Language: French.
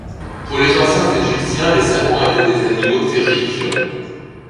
Pour les anciens Égyptiens, les serpents étaient des animaux terrifiants.